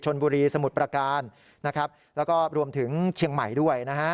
ชนบุรีสมุทรประการนะครับแล้วก็รวมถึงเชียงใหม่ด้วยนะฮะ